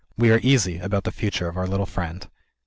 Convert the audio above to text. We are easy about the future of our little friend.